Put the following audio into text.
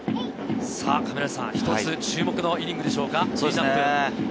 一つ注目のイニングでしょうか。